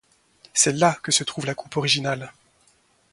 C'est là que se trouve la Coupe originale.